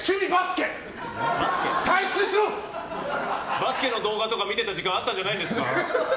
バスケの動画とか見てた時間あったんじゃないですか？